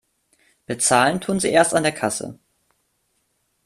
Bezahlen tun Sie erst an der Kasse.